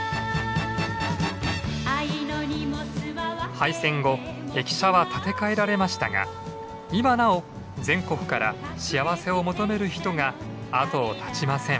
廃線後駅舎は建て替えられましたが今なお全国から幸せを求める人が後を絶ちません。